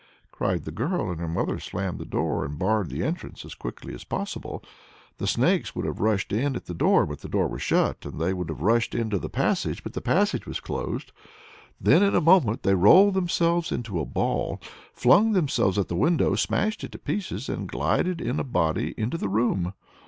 cried the girl, and her mother slammed the door and barred the entrance as quickly as possible. The snakes would have rushed in at the door, but the door was shut; they would have rushed into the passage, but the passage was closed. Then in a moment they rolled themselves into a ball, flung themselves at the window, smashed it to pieces, and glided in a body into the room.